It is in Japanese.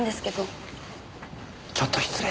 ちょっと失礼。